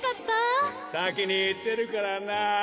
さきにいってるからな。